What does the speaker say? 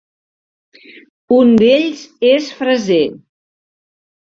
Un d'ells és Fraser.